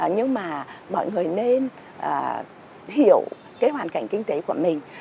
nhưng mà mọi người nên hiểu cái hoàn cảnh kinh tế của mình